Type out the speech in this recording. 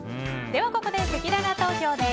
ここでせきらら投票です。